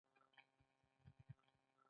دغو بانکونو په شرکتونو کې لوړ مقام درلود